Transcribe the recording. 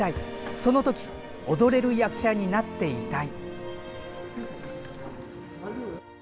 そのとき踊れる役者になっていたい。